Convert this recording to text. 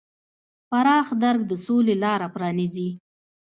پراخ درک د سولې لاره پرانیزي.